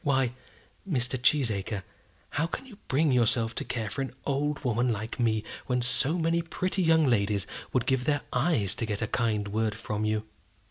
"Why, Mr. Cheesacre, how can you bring yourself to care for an old woman like me, when so many pretty young ladies would give their eyes to get a kind word from you?"